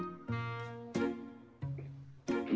siapa yang paling mengejutkan mungkin